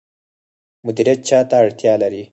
مدیریت چا ته اړتیا لري؟